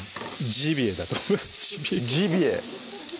ジビエ？